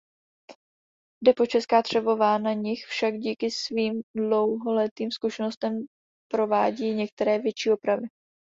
Depo Česká Třebová na nich však díky svým dlouholetým zkušenostem provádí některé větší opravy.